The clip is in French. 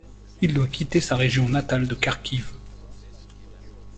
Il doit quitter sa région natale de Kharkiv.